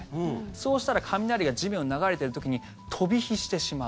そうしたら雷が地面流れてる時に飛び火してしまう。